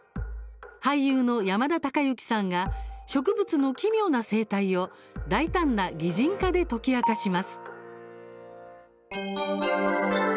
俳優の山田孝之さんが植物の奇妙な生態を大胆な擬人化で解き明かします。